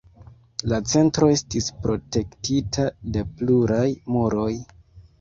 La centro estis protektita de pluraj muroj.